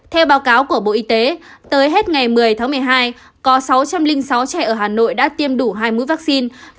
theo báo cáo của bộ y tế tới hết ngày một mươi tháng một mươi hai có sáu trăm linh sáu trẻ ở hà nội đã tiêm đủ hai mũi vaccine